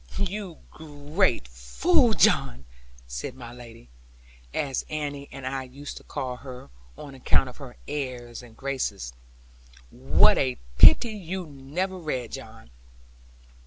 'You great fool, John,' said my lady, as Annie and I used to call her, on account of her airs and graces; 'what a pity you never read, John!'